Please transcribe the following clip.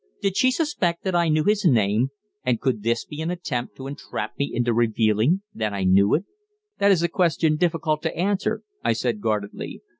Did she suspect that I knew his name, and could this be an attempt to entrap me into revealing that I knew it? "That is a question difficult to answer," I said guardedly.